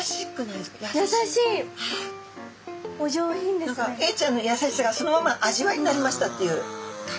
何かエイちゃんのやさしさがそのまま味わいになりましたっていう感じですね。